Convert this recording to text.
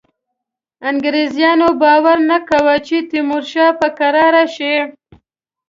انګرېزانو باور نه کاوه چې تیمورشاه به کرار شي.